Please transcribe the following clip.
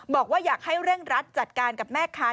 บอกว่าอยากให้เร่งรัดจัดการกับแม่ค้า